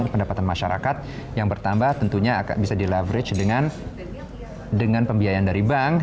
pendapatan masyarakat yang bertambah tentunya bisa di leverage dengan pembiayaan dari bank